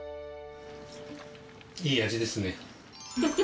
いい味ですね。